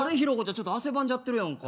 ちょっと汗ばんじゃってるやんか。